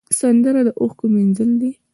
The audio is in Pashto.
سندره د اوښکو مینځل دي